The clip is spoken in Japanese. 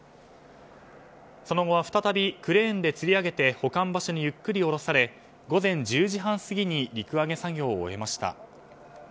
その後、再びクレーンでつり上げて保管場所にゆっくり下ろされ午前１０時半過ぎに陸揚げ作業を終えました。